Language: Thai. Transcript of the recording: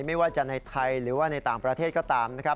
ไม่ว่าจะในไทยหรือว่าในต่างประเทศก็ตามนะครับ